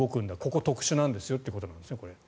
ここ、特殊なんですよということなんですか。